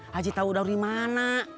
haji tau udah dimana